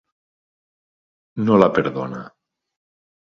No la perdona.